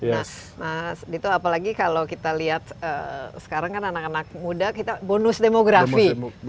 nah mas dito apalagi kalau kita lihat sekarang kan anak anak muda kita bonus demografi